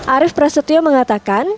arief prasetyo mengatakan